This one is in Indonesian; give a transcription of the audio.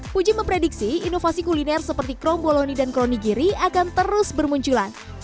puji memprediksi inovasi kuliner seperti kromboloni dan kronigiri akan terus bermunculan